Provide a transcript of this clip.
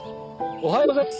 おはようございます。